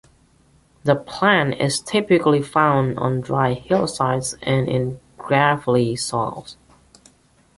The plant is typically found on dry hillsides and in gravelly soils.